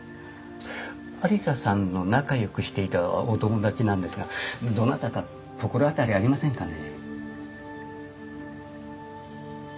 愛理沙さんの仲よくしていたお友達なんですがどなたか心当たりありませんかね？